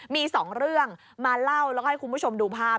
มีสองเรื่องมาเล่าแล้วก็ให้คุณผู้ชมดูภาพ